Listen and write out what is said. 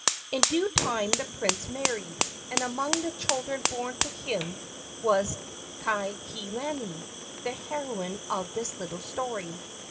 In due time the prince married, and among the children born to him was Kaikilani, the heroine of this little story.